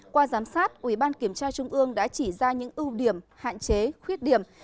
qua giám sát ủy ban kiểm tra trung ương đã chỉ ra những ưu điểm hạn chế khuyết điểm